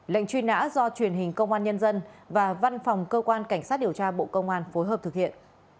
lệnh truy nã do truyền hình công an nhân dân và văn phòng cơ quan cảnh sát điều tra bộ công an phối hợp thực hiện